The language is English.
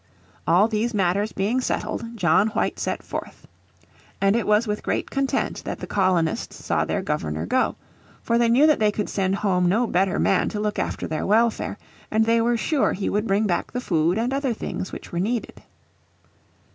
All these matters being settled John White set forth. And it was with great content that the colonists saw their Governor go. For they knew that they could send home no better man to look after their welfare, and they were sure he would bring back the food and other things which were needed.